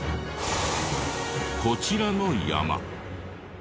こちらの山。